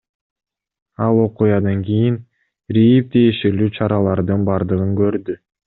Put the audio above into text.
Ал окуядан кийин РИИБ тиешелүү чаралардын бардыгын көрдү.